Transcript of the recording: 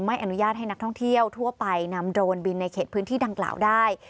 ไม่อนุญาตให้นักท่องเที่ยวทั่วไปนำโดรนบินในเขตพื้นที่ดังกล่าวได้